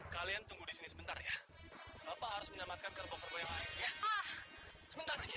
kalian tunggu di sini sebentar ya apa harus menamatkan kerbong kerbong sebentar aja